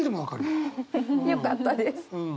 よかったです。